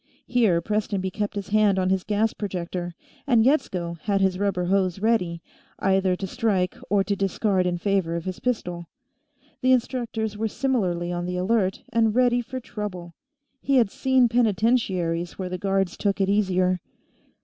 Here Prestonby kept his hand on his gas projector, and Yetsko had his rubber hose ready, either to strike or to discard in favor of his pistol. The instructors were similarly on the alert and ready for trouble he had seen penitentiaries where the guards took it easier.